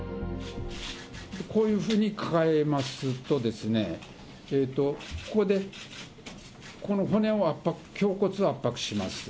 こういうふうに抱えますと、ここでこの骨を圧迫、胸骨を圧迫します。